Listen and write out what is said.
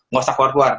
gak usah keluar keluar